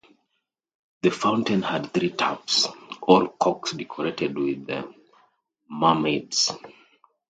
The fountain had three taps or cocks decorated with mermaids.